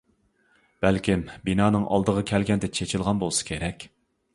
بەلكىم بىنانىڭ ئالدىغا كەلگەندە چېچىلغان بولسا كېرەك.